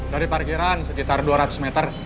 dari parkiran sekitar dua ratus meter